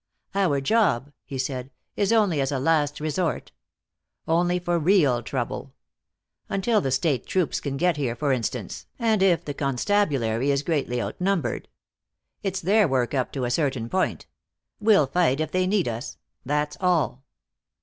"Our job," he said, "is only as a last resort. Only for real trouble. Until the state troops can get here, for instance, and if the constabulary is greatly outnumbered. It's their work up to a certain point. We'll fight if they need us. That's all."